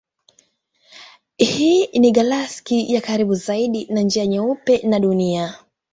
Hii ni galaksi ya karibu zaidi na Njia Nyeupe na Dunia.